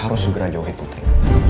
harus segera jauhin putri